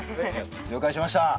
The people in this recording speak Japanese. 了解しました。